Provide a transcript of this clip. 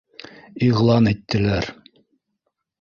Иғлан иттеләр.